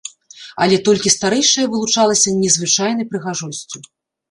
Але толькі старэйшая вылучалася незвычайнай прыгажосцю.